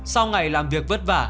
sau ngày làm việc vất vả